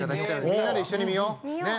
みんなで一緒に見よう！ね！